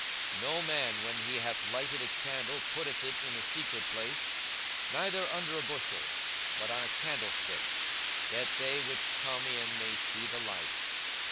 42:011:033 No man, when he hath lighted a candle, putteth it in a secret place, neither under a bushel, but on a candlestick, that they which come in may see the light.